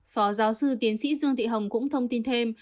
phó giáo sư tiến sĩ dương thị hồng cũng thông tin thêm